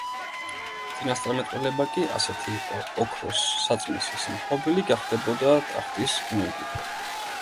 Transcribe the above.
წინასწარმეტყველება კი ასეთი იყო: ოქროს საწმისის მფლობელი გახდებოდა ტახტის მემკვიდრე.